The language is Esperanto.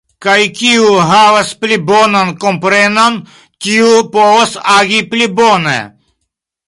Kaj kiu havas pli bonan komprenon, tiu povas agi pli bone.